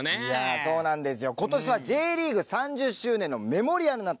そうなんですよ